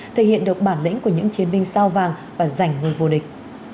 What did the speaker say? thể hiện được bản lĩnh của những chiến binh sao vàng và giành ngôi vô địch